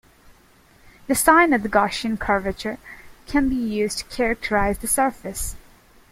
The sign of the Gaussian curvature can be used to characterise the surface.